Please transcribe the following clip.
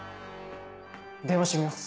電話してみます！